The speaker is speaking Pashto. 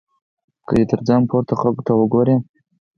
که دی تر ځان پورته خلکو ته وګوري.